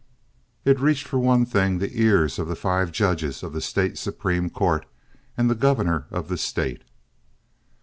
It reached, for one thing, the ears of the five judges of the State Supreme Court and of the Governor of the State.